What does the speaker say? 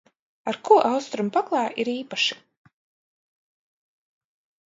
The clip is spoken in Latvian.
Ar ko austrumu paklāji ir īpaši?